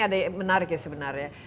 ada yang menarik sebenarnya